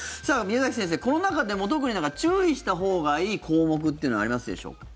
宮崎先生、この中でも特に注意したほうがいい項目というのはありますでしょうか。